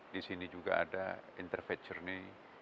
di sini juga ada interface jurni